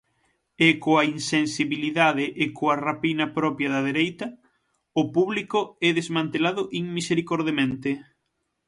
E coa insensibilidade e coa rapina propia da dereita, o público é desmantelado inmisericordemente.